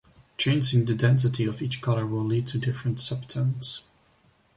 Changing the density of each color will lead to different subtones.